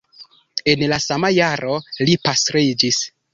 En la sama jaro li pastriĝis.